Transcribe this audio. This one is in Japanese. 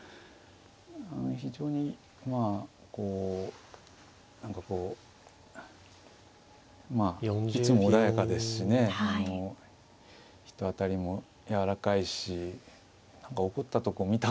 非常にまあこう何かこうまあいつも穏やかですしね人当たりも柔らかいし怒ったとこ見たことないし。